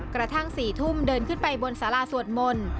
กระทั่ง๔ทุ่มเดินขึ้นไปบนสาราสวดมนต์